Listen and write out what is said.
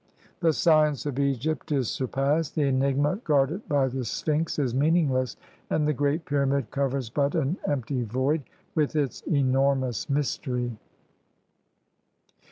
The science of Egypt is surpassed; the enigma guarded by the Sphinx is meaningless, and the Great Pyramid covers but an empty void, with its enormous mystery."